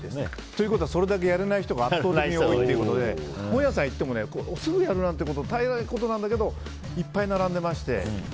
ということはそれだけやれない人が圧倒的に多いということで本屋さん行ってもすぐやるなんてこと大概なことなんだけどいっぱい並んでまして。